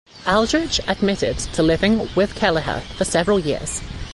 Aldrich admitted to living with Kelliher for several years.